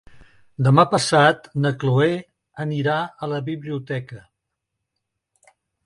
Demà passat na Cloè anirà a la biblioteca.